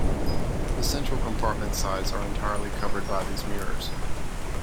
The central compartment sides are entirely covered by these mirrors.